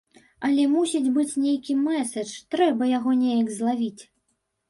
Але мусіць быць нейкі мэсэдж, трэба яго неяк злавіць.